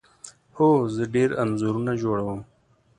هو، زه ډیر انځورونه جوړوم